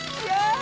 あ！